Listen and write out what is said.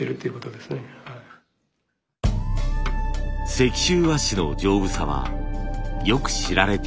石州和紙の丈夫さはよく知られていました。